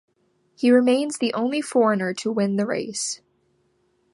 He remains the only foreigner to win the race.